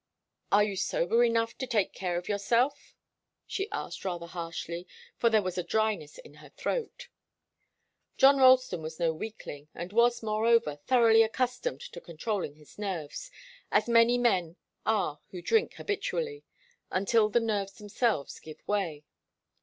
"Are you sober enough to take care of yourself?" she asked rather harshly, for there was a dryness in her throat. John Ralston was no weakling, and was, moreover, thoroughly accustomed to controlling his nerves, as many men are who drink habitually until the nerves themselves give way.